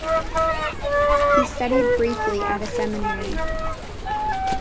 He studied briefly at a seminary.